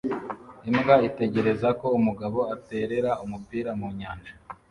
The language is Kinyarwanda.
Imbwa itegereza ko umugabo aterera umupira mu nyanja